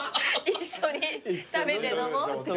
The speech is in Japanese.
一緒に食べて飲もうって。